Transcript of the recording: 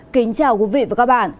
kính chào quý vị và các bạn